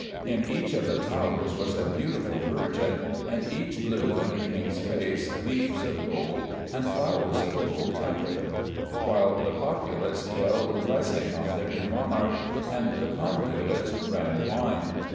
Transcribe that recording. In each of the towers was a beautiful virgin ... and each blew in the King's face leaves of gold and flowers of gold counterfeit," while the populace yelled blessings on their new monarch, and the conduits ran wine.